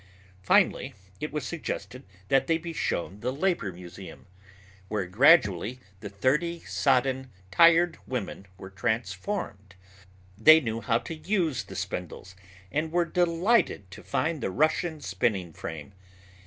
Finally it was suggested that they be shown the Labor Museum where gradually the thirty sodden, tired women were transformed. They knew how to use the spindles and were delighted to find the Russian spinning frame.